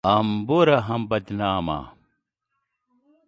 هم بوره ، هم بدنامه